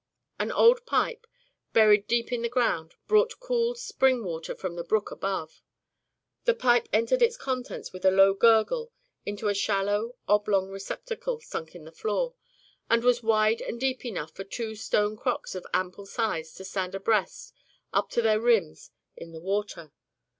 An iron pipe, buried deep in the ground, brought cool spring water from the brook above. This pipe emptied its contents with a low gurgle into a shallow, oblong receptacle sunk in the floor, and was wide and deep enough for two stone crocks of ample size to stand abreast up to their rims in the water.